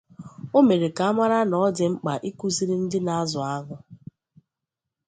O mere ka a mara na ọ dị mkpa ịkụziri ndị na-azụ añụ